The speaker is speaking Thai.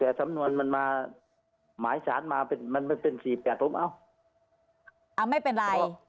แต่สำนวนมันมาหมายสารมาเป็นมันมันเป็นสี่แปดผมเอ้าเอาไม่เป็นไร